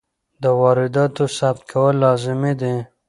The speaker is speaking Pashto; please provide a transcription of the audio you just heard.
د وارداتو ثبت کول لازمي دي.